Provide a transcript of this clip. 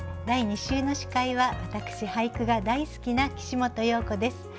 第２週の司会は私俳句が大好きな岸本葉子です。